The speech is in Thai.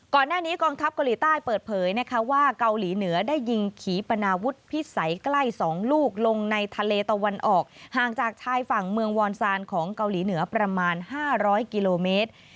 ก่อนหน้านี้กองทัพเกาหลีใต้เปิดเผยนะคะว่าเกาหลีเหนือได้ยิงขี่ปนาวุฒิพิสัยใกล้๒ลูกลงในทะเลตะวันออกห่างจากชายฝั่งเมืองวอนซานของเกาหลีเหนือประมาณ๕๐๐กิโลเมตร